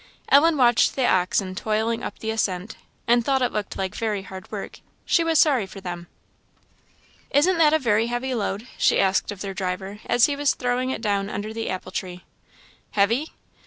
Ellen watched the oxen toiling up the ascent, and thought it looked like very hard work; she was sorry for them. "Isn't that a very heavy load?" she asked of their driver, as he was throwing it down under the apple tree. "Heavy?